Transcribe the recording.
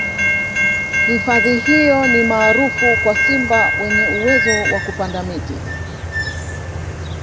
hifadhi hiyo ni maarufu kwa simba wenye uwezo wa kupanda miti